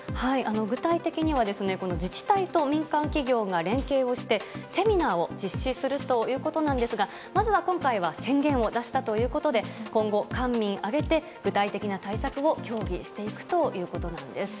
具体的には自治体と民間企業が連携してセミナーを実施するということなんですがまずは今回は宣言を出したということで今後、官民挙げて具体的な対策を協議していくということなんです。